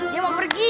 dia mau pergi